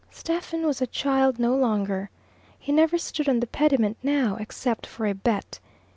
Stephen was a child no longer. He never stood on the pediment now, except for a bet.